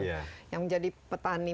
iya yang jadi petani